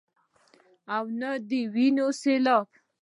او نۀ د وينو سيلاب ،